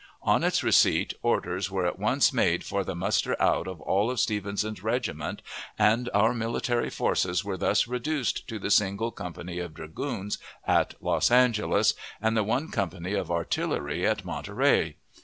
On its receipt, orders were at once made for the muster out of all of Stevenson's regiment, and our military forces were thus reduced to the single company of dragoons at Los Angeles, and the one company of artillery at Monterey.